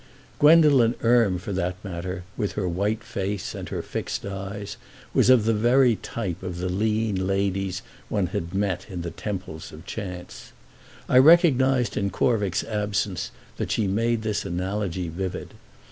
Gwendolen Erme, for that matter, with her white face and her fixed eyes, was of the very type of the lean ladies one had met in the temples of chance. I recognised in Corvick's absence that she made this analogy vivid.